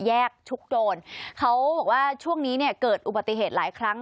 ชุกโดนเขาบอกว่าช่วงนี้เนี่ยเกิดอุบัติเหตุหลายครั้ง